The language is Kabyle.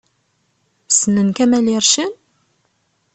Ssnen Kamel Ircen?